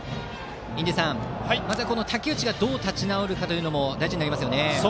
印出さん、まず武内がどう立ち直るかも大事になりますよね。